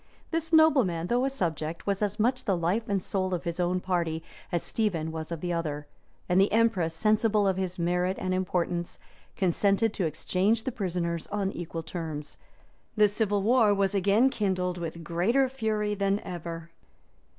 This nobleman, though a subject, was as much the life and soul of his own party, as Stephen was of the other: and the empress, sensible of his merit and importance, consented to exchange the prisoners on equal terms. The civil war was again kindled with greater fury than ever.